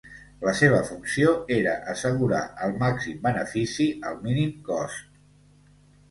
La seva funció era assegurar el màxim benefici al mínim cost.